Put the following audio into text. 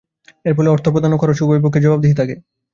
এর ফলে অর্থ প্রদান ও খরচে উভয় পক্ষের জবাবদিহি থাকে।